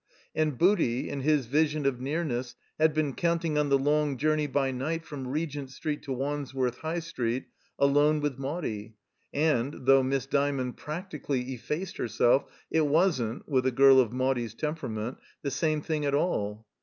And Booty in his vision of nearness had been counting on the long journey by night from Regent Street to Wandsworth High Street alone with Maudie; and, though Miss Dymond practically effaced herself, it wasn't — with a girl of Maudie's temperament — ^the same thing at all.